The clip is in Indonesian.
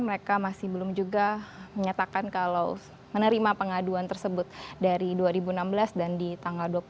mereka masih belum juga menyatakan kalau menerima pengaduan tersebut dari dua ribu enam belas dan di tanggal dua puluh satu